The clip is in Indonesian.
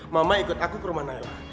mama ikut aku ke rumah naya